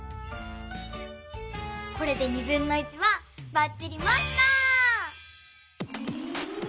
これではばっちりマスター！